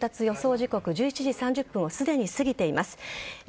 時刻１１時３０分をすでに過ぎています。